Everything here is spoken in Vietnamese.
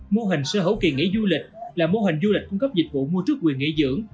mô hình sở hữu kỳ nghỉ du lịch là mô hình du lịch cung cấp dịch vụ mua trước quyền nghỉ dưỡng